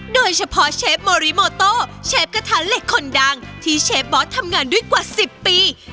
เชฟโมริโมโต้เชฟกระทะเหล็กคนดังที่เชฟบอสทำงานด้วยกว่า๑๐ปี